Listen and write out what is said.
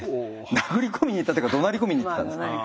殴り込みに行ったというかどなり込みに行ってたんです。